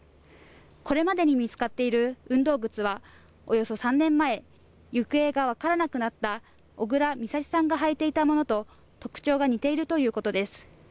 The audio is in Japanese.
これまでに見つかっている運動靴はおよそ３年前行方が分からなくなった小倉美咲さんが履いていたものと特徴が似ているということです